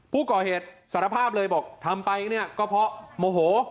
ผู้ก่อเหตุสารภาพเลยบอกทำไปเนี่ยก็เพราะโมโห